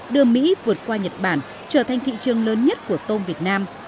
đưa mỹ vượt qua nhật bản trở thành thị trường lớn nhất của tôm việt nam